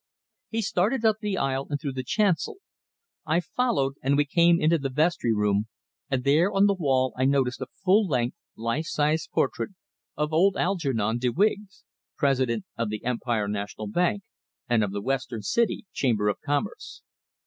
He started up the aisle, and through the chancel. I followed, and we came into the vestry room, and there on the wall I noticed a full length, life sized portrait of old Algernon de Wiggs, president of the Empire National Bank, and of the Western City Chamber of Commerce.